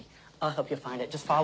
ああ。